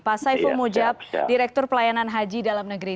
pak saiful mujab direktur pelayanan haji dalam negeri